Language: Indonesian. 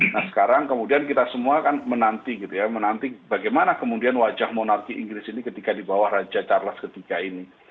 nah sekarang kemudian kita semua kan menanti gitu ya menanti bagaimana kemudian wajah monarki inggris ini ketika di bawah raja charles iii ini